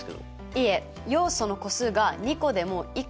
いえ要素の個数が２個でも１個でも。